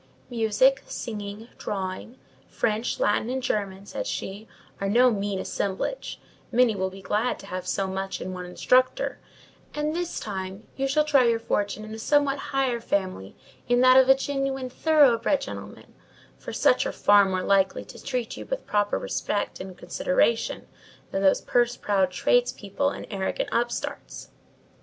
"Music, singing, drawing, French, Latin, and German," said she, "are no mean assemblage: many will be glad to have so much in one instructor; and this time, you shall try your fortune in a somewhat higher family—in that of some genuine, thoroughbred gentleman; for such are far more likely to treat you with proper respect and consideration than those purse proud tradespeople and arrogant upstarts.